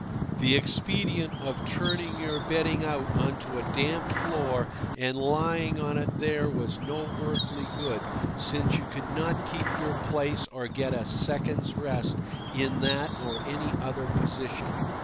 The expedient of turning your bedding out on to a damp floor and lying on it there was no earthly good, since you could not keep your place or get a second's rest in that or any other position.